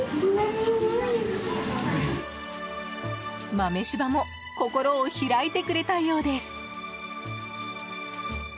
豆柴も心を開いてくれたようです。